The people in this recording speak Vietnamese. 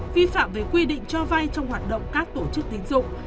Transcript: vi phạm về quy định cho vay trong hoạt động các tổ chức tín dụng